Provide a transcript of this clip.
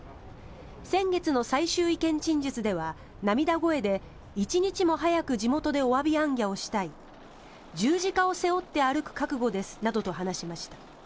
先月の最終意見陳述では涙声で一日も早く地元でおわび行脚をしたい十字架を背負って歩く覚悟ですなどと話しました。